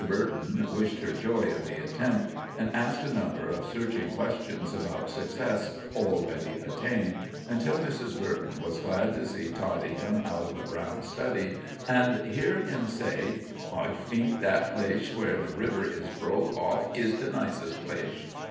Burton wished her joy of the attempt, and asked a number of searching questions about success already attained, until Mrs. Burton was glad to see Toddie come out of a brown study and hear him say: "I fink that placesh where the river is bwoke off izh the nicest placesh."